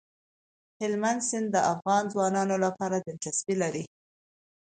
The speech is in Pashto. هلمند سیند د افغان ځوانانو لپاره دلچسپي لري.